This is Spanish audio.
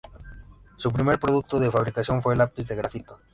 Su primer producto de fabricación fue el lápiz de grafito.